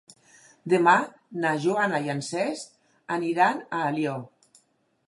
Demà na Joana i en Cesc aniran a Alió.